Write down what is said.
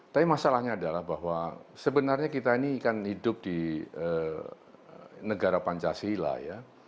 tapi masalahnya adalah bahwa sebenarnya kita ini kan hidup di negara pancasila ya